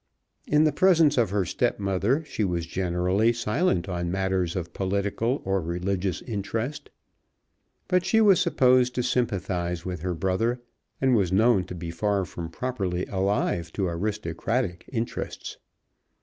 In the presence of her stepmother she was generally silent on matters of political or religious interest. But she was supposed to sympathise with her brother, and was known to be far from properly alive to aristocratic interests.